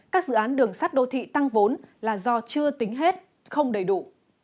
các dự án đường sắt đô thị tăng vốn là do chưa tính hết không đầy đủ